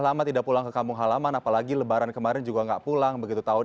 lama tidak pulang ke kampung halaman apalagi lebaran kemarin juga nggak pulang begitu tahun